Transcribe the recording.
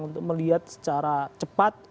untuk melihat secara cepat